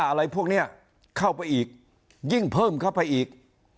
อะไรพวกนี้เข้าไปอีกยิ่งเพิ่มเข้าไปอีก